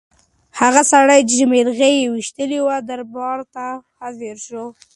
هغه سړی چې مرغۍ یې ویشتلې وه دربار ته حاضر شو.